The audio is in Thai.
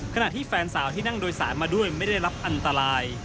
ขณะที่แฟนสาวที่นั่งโดยสารมาด้วยไม่ได้รับอันตราย